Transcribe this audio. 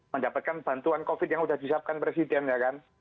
mendapatkan bantuan covid yang sudah disiapkan presiden ya kan